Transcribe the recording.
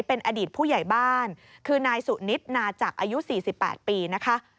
เป็นอดีตผู้ใหญ่บ้านคือนายสุนิทนาจักรอายุ๔๘ปีนะคะ